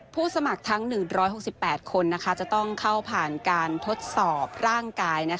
สมัครทั้ง๑๖๘คนจะต้องเข้าผ่านการทดสอบร่างกาย